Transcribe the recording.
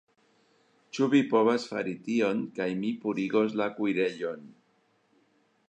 Ĉu vi povas fari tion kaj mi purigos la kuirejon